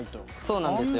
そうなんですよ。